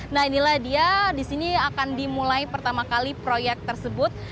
nah inilah dia di sini akan dimulai pertama kali proyek tersebut